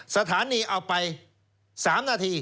สถานีเอาไป๓นาที